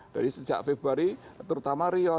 jadi sejak februari terutama rio